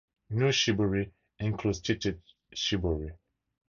Nui shibori includes stitched shibori.